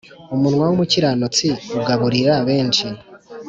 umunwa w’umukiranutsi ugaburira benshi,